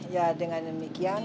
ya dengan demikian